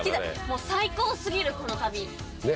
もう最高過ぎるこの旅。